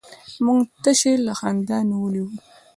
موږ تشي له خندا نيولي وو.